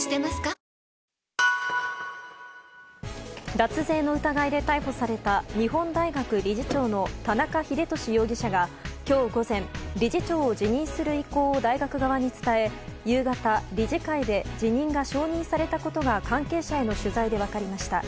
脱税の疑いで逮捕された日本大学理事長の田中英壽容疑者が今日午前理事長を辞任する意向を大学側に伝え夕方、理事会で辞任が承認されたことが関係者への取材で分かりました。